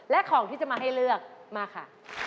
และของที่จะมาให้เลือกมาค่ะ